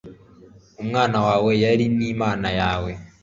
umwana wawe, yari n'imana yawe